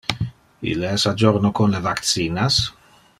Ille es a jorno con le vaccinas?